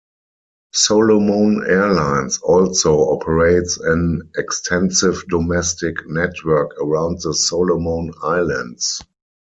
Solomon Airlines also operates an extensive domestic network around the Solomon Islands.